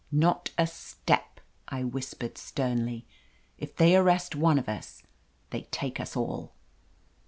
"Not a step," I whis pered sternly. "If they arrest one of us, they take us all."